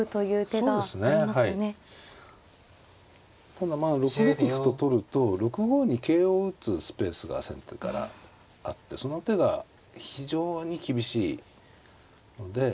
ただまあ６六歩と取ると６五に桂を打つスペースが先手からあってその手が非常に厳しいので。